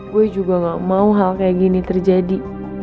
gue juga gak mau hal kayak gini terjadi